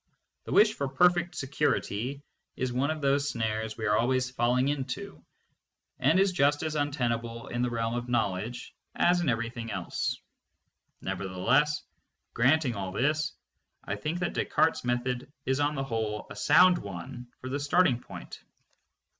The wish for perfect security is one of those snares we are al ways falling into, and is just as untenable in the realm of knowledge as in everything else. Nevertheless, granting all this, I still think that Descartes's method is on the whole a sound one for the starting point.